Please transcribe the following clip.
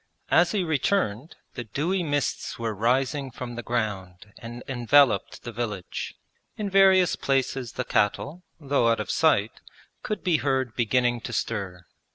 As he returned, the dewy mists were rising from the ground and enveloped the village. In various places the cattle, though out of sight, could be heard beginning to stir.